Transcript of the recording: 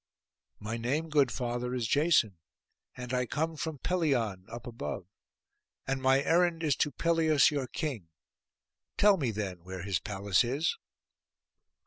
'My name, good father, is Jason, and I come from Pelion up above; and my errand is to Pelias your king; tell me then where his palace is.